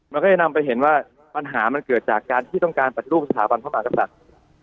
มันก็จะนำไปเห็นว่าปัญหามันเกิดจากการที่ต้องการปฏิรูปสถาบันพระมหากษัตริย์